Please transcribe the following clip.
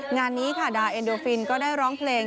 งานนี้ค่ะดาเอ็นโดฟินก็ได้ร้องเพลง